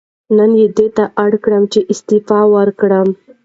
نن یې دې ته اړ کړم چې استعفا ورکړم.